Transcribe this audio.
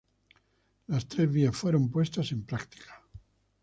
Las tres vías fueron puestas en práctica.